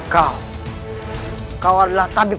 tapi jaga diri sendiri